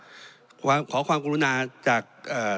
เพราะฉะนั้นโทษเหล่านี้มีทั้งสิ่งที่ผิดกฎหมายใหญ่นะครับ